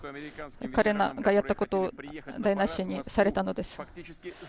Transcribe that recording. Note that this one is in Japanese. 彼らがやったこと、台なしにされたのです。